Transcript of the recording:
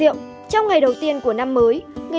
đó chính là đàn ông sẽ ăn một mâm riêng